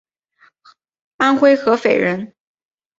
安徽合肥人。